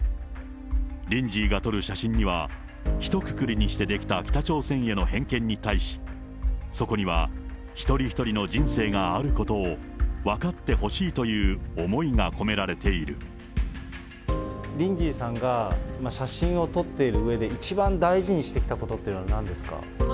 リンジーが撮る写真には、ひとくくりにして出来た北朝鮮への偏見に対し、そこには一人一人の人生があることを分かってほしいという思いがリンジーさんが写真を撮っているうえで、一番大事にしてきたことって、なんですか？